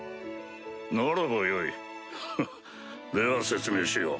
ならばよいフッでは説明しよう。